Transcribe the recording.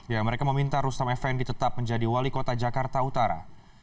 ya mereka meminta rustam effendi tetap menjadi wali kota jakarta utara